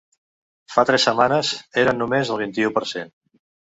Fa tres setmanes, eren només el vint-i-u per cent.